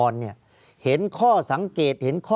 ภารกิจสรรค์ภารกิจสรรค์